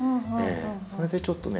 それでちょっとね